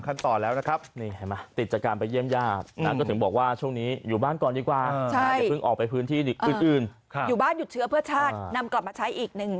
คอยว่าจะเป็นใครคอยว่าจะเป็นธนาคาร